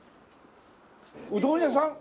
うどん屋さん？